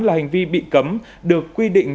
là hành vi bị cấm được quy định